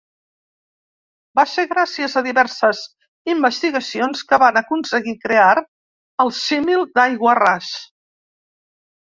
Va ser gràcies a diverses investigacions que van aconseguir crear el Símil d'aiguarràs.